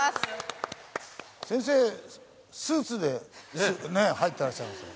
先生スーツでね入ってらっしゃいます。